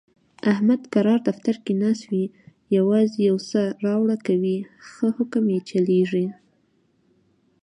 احمد کرار دفتر کې ناست وي، یووازې یوسه راوړه کوي، ښه حکم یې چلېږي.